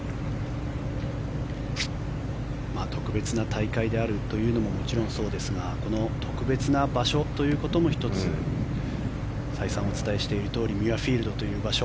特別な大会であるというのも、もちろんそうですがこの特別な場所ということも１つ再三お伝えしているとおりミュアフィールドという場所。